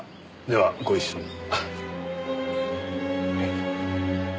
ではご一緒に。